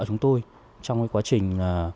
chúng tôi trong quá trình